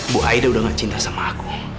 bu aida udah gak cinta sama aku